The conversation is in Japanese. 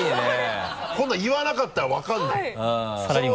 こんなの言わなかったら分からないよ。